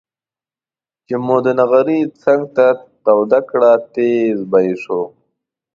چې مو د نغري څنګ ته توده کړه تيزززز به یې شو.